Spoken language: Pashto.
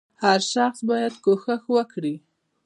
• هر شخص باید کوښښ وکړي.